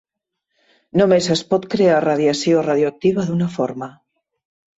Només es pot crear radiació radioactiva d'una forma.